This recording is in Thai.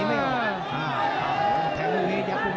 นี่หรอกต้องสู้ต่อไหน